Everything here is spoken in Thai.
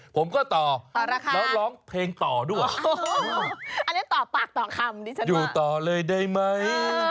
ผมก็ต่อราคาแล้วร้องเพลงต่อด้วยอันนี้ต่อปากต่อคำดิฉันอยู่ต่อเลยได้ไหม